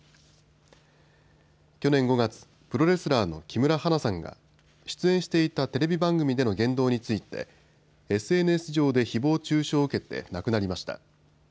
去年５月、プロレスラーの木村花さんが出演していたテレビ番組での言動についてＳＮＳ上でひぼう中傷を受けて亡くなりました。